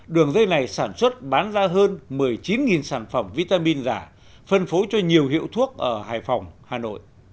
đường dây này sản xuất bán ra hơn một mươi chín sản phẩm vitamin giả phân phối cho nhiều hiệu thuốc ở hải phòng hà nội